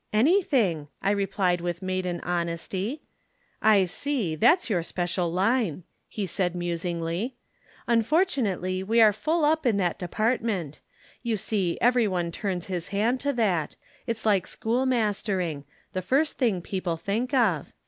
'Anything,' I replied with maiden modesty. 'I see, that's your special line,' he said musingly. 'Unfortunately we are full up in that department. You see, everyone turns his hand to that it's like schoolmastering, the first thing people think of.